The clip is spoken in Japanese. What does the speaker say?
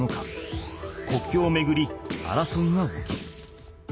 国境をめぐり争いが起きる。